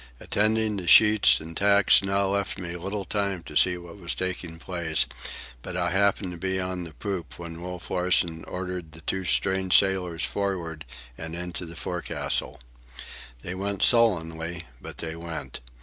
Attending to sheets and tacks now left me little time to see what was taking place, but I happened to be on the poop when Wolf Larsen ordered the two strange sailors forward and into the forecastle. They went sullenly, but they went.